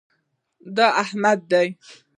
دی احمد دئ.